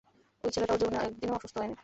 এই ছেলেটা ওর জীবনের একদিনও অসুস্থ হয়নি!